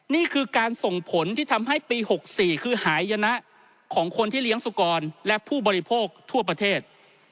นี่คือการส่งผลที่ทำให้ปี๖๔คือหายนะของคนที่เลี้ยงสุกรและผู้บริโภคทั่วประเทศ